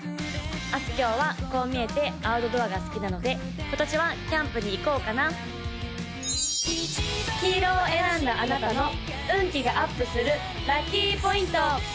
あすきょうはこう見えてアウトドアが好きなので今年はキャンプに行こうかな黄色を選んだあなたの運気がアップするラッキーポイント！